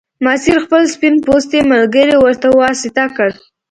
ماسیر خپل سپین پوستی ملګری ورته واسطه کړ.